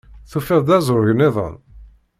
Tufiḍ-d azrug-nniḍen?